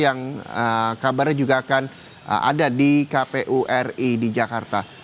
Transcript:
yang kabarnya juga akan ada di kpu ri di jakarta